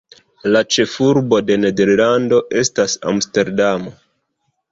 La ĉefurbo de Nederlando estas Amsterdamo.